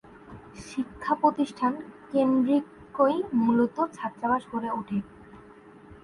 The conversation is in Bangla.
শিক্ষা প্রতিষ্ঠান কেন্দ্রীকই মূলত ছাত্রাবাস গড়ে উঠে।